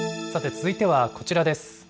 続いてはこちらです。